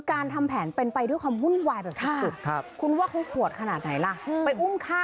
การทำแผนเป็นไปด้วยค่ะมุ่นไหวค่ะครับคุณว่าครูบปวดขนาดไหนล่ะปีอยุ่นค่ะ